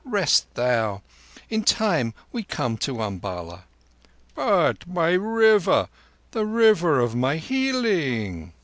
Rest, thou. In time we come to Umballa." "But my River—the River of my healing?"